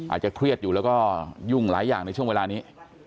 อาจจะเครียดอยู่แล้วก็ยุ่งหลายอย่างในช่วงเวลานี้